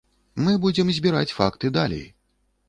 Мы будзем збіраць факты далей.